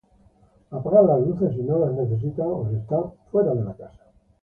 Apagan las luces si no las necesitan o si están afuera de la casa.